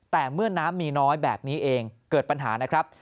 แต่เมื่อน้ำมีน้อยแบบนี้เองเกิดปัญหานะครับ